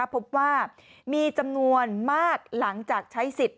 พบว่ามีจำนวนมากหลังจากใช้สิทธิ์